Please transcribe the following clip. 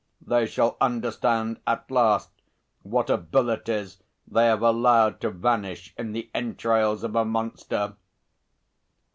They shall understand at last what abilities they have allowed to vanish in the entrails of a monster.